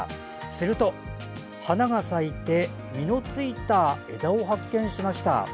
すると、花が咲いて実のついた枝を発見しました。